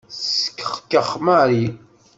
Teskexkex Mary.